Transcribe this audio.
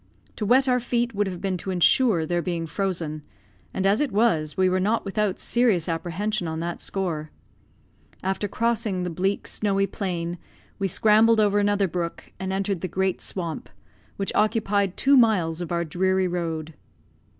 To wet our feet would have been to ensure their being frozen; and as it was, we were not without serious apprehension on that score. After crossing the bleak, snowy plain, we scrambled over another brook, and entered the great swamp, which occupied two miles of our dreary road.